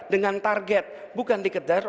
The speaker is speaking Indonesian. dengan target bukan dikejar